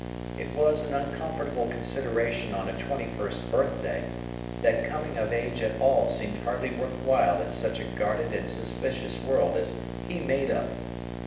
It was an uncomfortable consideration on a twenty first birthday, that coming of age at all seemed hardly worth while in such a guarded and suspicious world as he made of it.